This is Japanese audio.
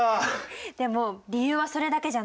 でも理由はそれだけじゃないの。